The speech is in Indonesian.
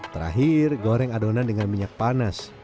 terakhir goreng adonan dengan minyak panas